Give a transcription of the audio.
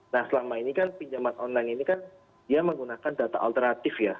nah selama ini kan pinjaman online ini kan dia menggunakan data alternatif ya